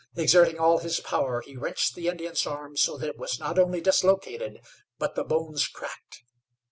Exerting all his power, he wrenched the Indian's arm so that it was not only dislocated, but the bones cracked.